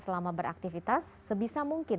selama beraktivitas sebisa mungkin